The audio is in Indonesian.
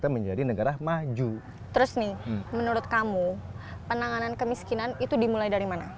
menurut kamu penanganan kemiskinan itu dimulai dari mana